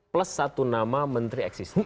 plus satu nama menteri eksis